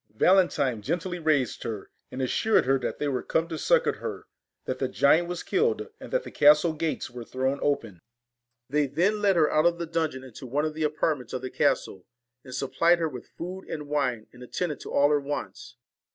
Valentine gently raised her, and assured her that they were come to succour her, that the giant was killed, and that the castle gates were thrown open. They 47 VALEN then led her out of the dungeon into one of the TINE AND apartments of the castle, and supplied her with ORSON fo^ and w i nC) an( j attended to all her wants.